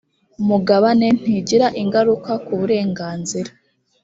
mugabane ntigira ingaruka ku burenganzira